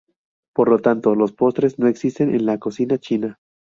Por lo tanto los postres no existen en la cocina china.